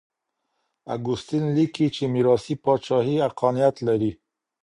اګوستين ليکي چي ميراثي پاچاهي حقانيت لري.